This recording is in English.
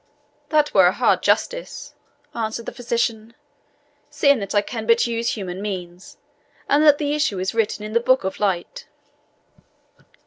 "That were hard justice," answered the physician, "seeing that I can but use human means, and that the issue is written in the book of light."